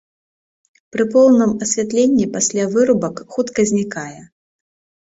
Пры поўным асвятленні пасля вырубак хутка знікае.